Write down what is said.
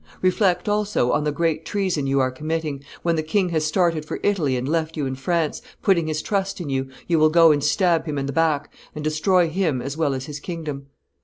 Reflect also on the great treason you are committing; when the king has started for Italy and left you in France, putting his trust in you, you will go and stab him in the back, and destroy him as well as his kingdom.